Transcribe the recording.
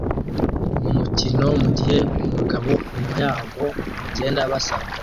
umukino mugihe umugabo inyuma yabo agenda abasanga